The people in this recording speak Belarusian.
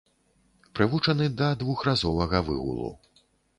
Прывучаны да двухразовага выгулу.